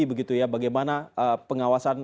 begitu ya bagaimana pengawasan